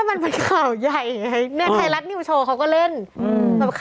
มันค่าวใหญ่แง่